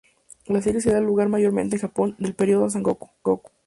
La serie se da lugar mayormente en el Japón del Período Sengoku.